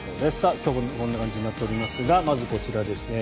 今日はこんな感じになっておりますがまず、こちらですね。